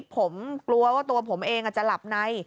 ผมกลัวว่าตัวผมเองจะหลับใน